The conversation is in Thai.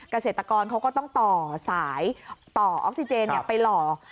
เกษตรกรเขาก็ต้องต่อสายต่อออกซิเจนไปหล่อ